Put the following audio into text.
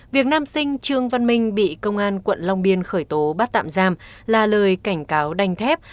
việc nam sinh trương văn minh bị công an quận long biên khởi tố bắt tạm giam là lời cảnh cáo đành thép